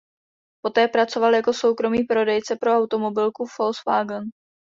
Poté pracoval jako soukromý prodejce pro automobilku Volkswagen.